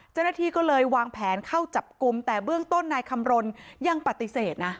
เจ้าหน้าที่ก็เลยวางแผนเข้าจับกลุ่มแต่เบื้องต้นนายคำรณยังปฏิเสธนะ